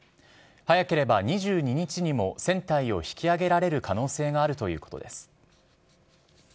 早ければ２２日にも船体を引き揚げられる可能性があるということです。